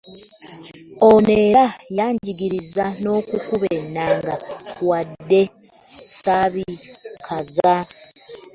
Ono era yanjigiriza n'okukuba ennanga wadde saabikaza.